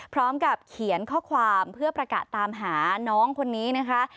พร้อมกับเขียนข้อความเพื่อประกาศตามหาน้องคนนี้นะคะ